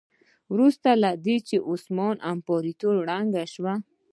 وروسته له دې چې عثماني امپراتوري ړنګه شوه.